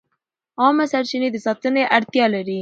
عامه سرچینې د ساتنې اړتیا لري.